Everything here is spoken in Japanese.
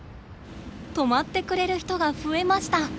止まってくれる人が増えました。